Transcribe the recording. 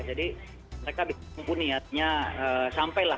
jadi mereka bisa mengguni artinya sampai lah